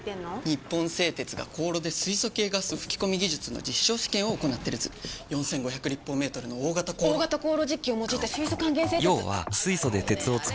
日本製鉄が高炉で素系ガス吹き込み技術の実証試験を行っている図苅毅娃立方メートルの大型高炉大型高炉実機を用いた素還元製鉄！